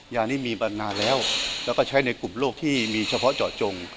ยานี้มีมานานแล้วแล้วก็ใช้ในกลุ่มโรคที่มีเฉพาะเจาะจง